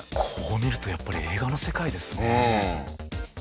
こう見るとやっぱり映画の世界ですね。